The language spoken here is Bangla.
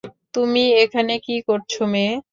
তুমি এখানে কি করছ, মেয়ে?